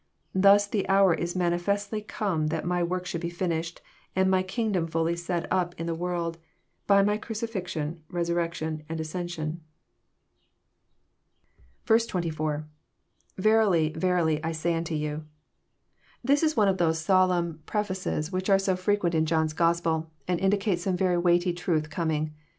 Thus the hour is manifestly come that my work should be finished, and my kingdom fully set up in the world, by my crucifixion, resurrection, and ascension." 94. [ Verily, verUy I say unU> you.] This is one of those solemn 15 338 ExrosrrosT thoughts. prefaces which are so fteqoent in John's Gospel, and indicate some Tery weighty trath coming.